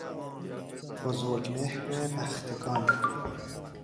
بزرگمهر بختگان